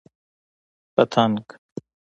🦋 پتنګ